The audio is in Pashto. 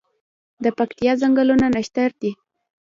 د پکتیا ځنګلونه نښتر دي